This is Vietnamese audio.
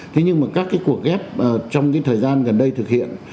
thế nhưng mà các cái cuộc ghép trong cái thời gian gần đây thực hiện